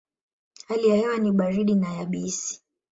Hali ya hewa ni baridi na yabisi.